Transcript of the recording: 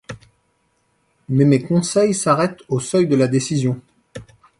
Mais mes conseils s’arrêtent au seuil de la décision.